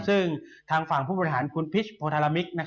ซึ่งทางฝั่งผู้บริหารคุณพิชโพธารามิก